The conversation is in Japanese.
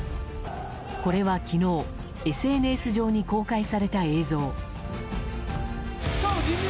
これは昨日、ＳＮＳ上に公開された映像。